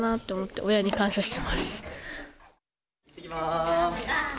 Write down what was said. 行ってきます。